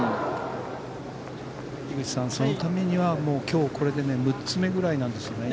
樋口さん、そのためには今日これで６つ目ぐらいなんですよね。